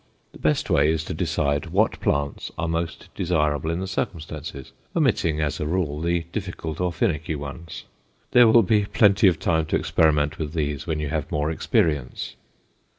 The best way is to decide what plants are most desirable in the circumstances, omitting, as a rule, the difficult or "finicky" ones; there will be plenty of time to experiment with those when you have more experience.